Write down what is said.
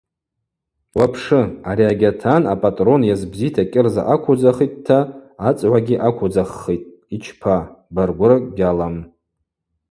Уапшы: ари агьатан апӏатӏрон йазбзита кӏьырза аквудзахитӏта ацӏгӏвагьи аквудзаххитӏ – йчпа, баргвыракӏ гьалам.